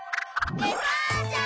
デパーチャー！